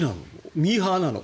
ミーハーなの。